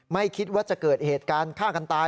ไม่คิดว่าจะเกิดเหตุการณ์ฆ่ากันตาย